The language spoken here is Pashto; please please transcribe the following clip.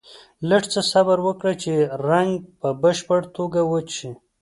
لږ څه صبر وکړئ چې رنګ په بشپړه توګه وچ شي.